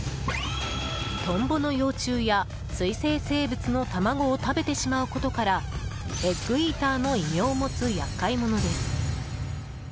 トンボの幼虫や水生生物の卵を食べてしまうことからエッグイーターの異名を持つ厄介者です。